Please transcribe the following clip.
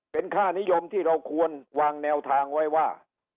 เป็นค่านิยมที่เราควรวางแนวทางไว้ว่า